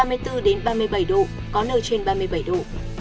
có nơi trên ba mươi bảy độ